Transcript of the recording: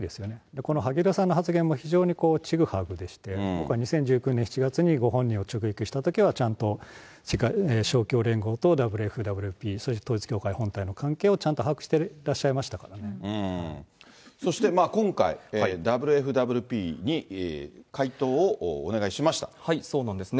この萩生田さんの発言も非常にこう、ちぐはぐでして、僕は２０１９年７月に、ご本人を直撃したときは、ちゃんと、勝共連合とＷＦＷＰ、そして統一教会本体との関係をちゃんと把握していらっしゃいましそして今回、ＷＦＷＰに回答そうなんですね。